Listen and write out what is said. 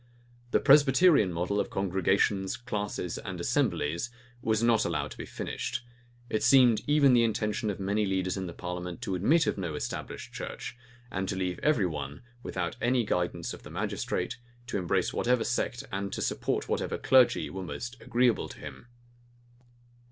The Presbyterian model of congregations, classes, and assemblies was not allowed to be finished: it seemed even the intention of many leaders in the parliament to admit of no established church, and to leave every one, without any guidance of the magistrate, to embrace whatever sect and to support whatever clergy were most agreeable to him.